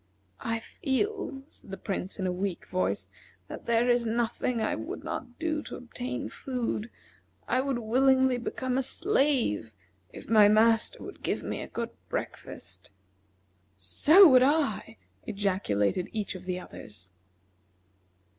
"I feel," said the Prince, in a weak voice, "that there is nothing I would not do to obtain food. I would willingly become a slave if my master would give me a good breakfast." "So would I," ejaculated each of the others.